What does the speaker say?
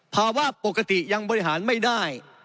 ภาวะปกติยังบริหารไม่ได้